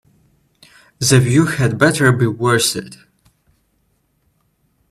The view had better be worth it.